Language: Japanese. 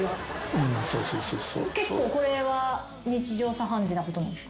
結構これは日常茶飯事なことなんですか？